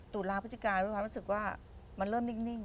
ตรูดร้านพจิการรู้สึกว่ามันเริ่มนิ่ง